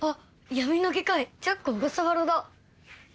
『闇の外科医ジャック小笠原』だ。